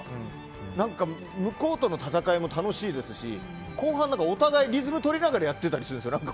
何か向こうとの戦いも楽しいですし後半、お互いにリズムとりながらやってたりするんですよ。